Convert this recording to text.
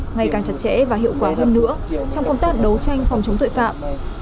ngày càng chặt chẽ và hiệu quả hơn nữa trong công tác đấu tranh phòng chống tội phạm